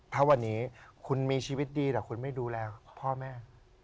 ถ้าวันนี้คุณมีชีวิตดีแต่คุณไม่ดูแลพ่อแม่